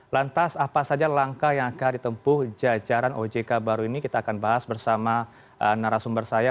lantas apa saja langkah yang akan ditempuh jajaran ojk baru ini kita akan bahas bersama narasumber saya